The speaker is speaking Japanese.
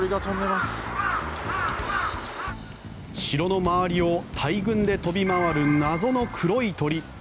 城の周りを大群で飛び回る謎の黒い鳥。